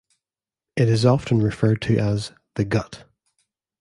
It is often referred to as "the gut".